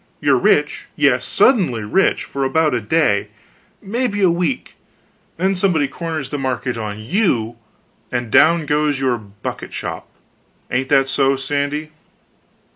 You're rich yes, suddenly rich for about a day, maybe a week; then somebody corners the market on you, and down goes your bucket shop; ain't that so, Sandy?"